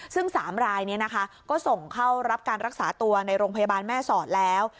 ซึ่ง๓รายก็ส่งเข้ารับการรักษาตัวในโรงพยาบาลแม่สอดแล้ว